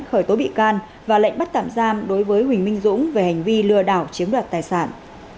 khởi tố bị can và lệnh bắt tạm giam đối với huỳnh minh dũng về hành vi lừa đảo chiếm đoạt tài sản